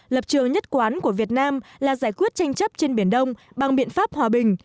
lập trường nhất quán của việt nam là giải quyết tranh chấp trên biển đông bằng biện pháp hòa bình